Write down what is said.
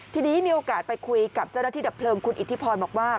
ทีนี้มีโอกาสไปคุยกับเจ้าหน้าที่ดับเพลิงคุณอิทธิพรบอกว่า